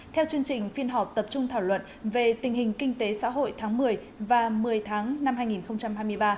theo chương trình phiên họp tập trung thảo luận về tình hình kinh tế xã hội tháng một mươi và một mươi tháng năm hai nghìn hai mươi ba